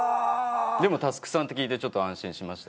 でも佑さんって聞いてちょっと安心しました。